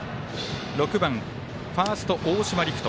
６番、ファースト大島陵翔。